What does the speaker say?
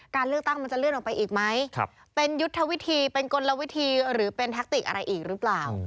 การเลือกตั้งมันจะเลื่อนออกไปอีกไหมเป็นยุทธวิธีเป็นกลวิธีหรือเป็นแทคติกอะไรอีกหรือเปล่า